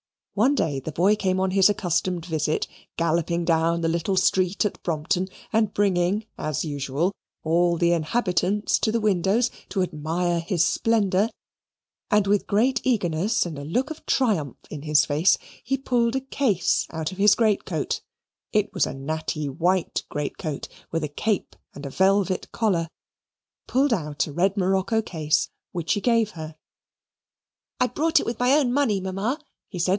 One day the boy came on his accustomed visit, galloping down the little street at Brompton, and bringing, as usual, all the inhabitants to the windows to admire his splendour, and with great eagerness and a look of triumph in his face, he pulled a case out of his great coat it was a natty white great coat, with a cape and a velvet collar pulled out a red morocco case, which he gave her. "I bought it with my own money, Mamma," he said.